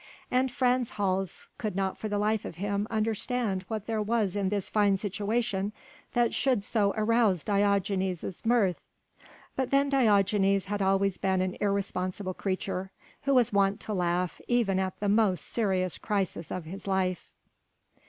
And Frans Hals could not for the life of him understand what there was in this fine situation that should so arouse Diogenes' mirth. But then Diogenes had always been an irresponsible creature, who was wont to laugh even at the most serious crisis of his life.